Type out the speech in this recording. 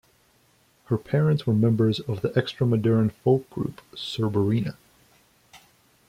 Her parents were members of the Extremaduran folk group Surberina.